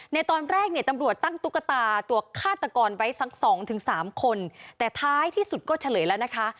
ในตอนแรกเนี่ยตำรวจตั้งตุ๊กตาตัวฆาตกรไว้สักสองถึงสามคนแต่ท้ายที่สุดก็เฉลยแล้วนะคะ